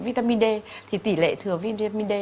vitamin d thì tỷ lệ thừa vitamin d